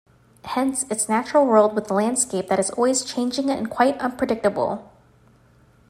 Hence, its natural world with a landscape that is always changing and quite unpredictable.